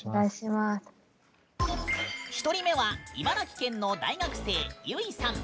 １人目は茨城県の大学生、ゆいさん。